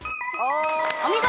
お見事！